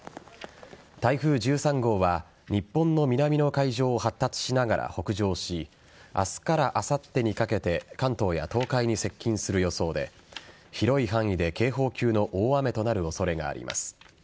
台風１３号は日本の南の海上を発達しながら北上し明日からあさってにかけて関東や東海に接近する予想で広い範囲で警報級の大雨となる恐れがあります。